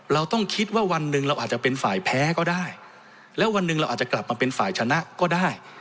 เราต้องคิดว่าวันหนึ่งเราอาจจะเป็นฝ่ายแพ้ก็ได้แล้ววันหนึ่งเราอาจจะกลับมาเป็นฝ่ายชนะก็ได้